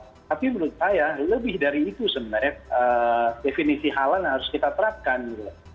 tapi menurut saya lebih dari itu sebenarnya definisi halal yang harus kita terapkan gitu